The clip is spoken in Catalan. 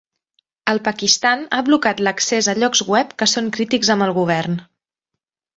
El Pakistan ha blocat l'accés a llocs web que són crítics amb el govern.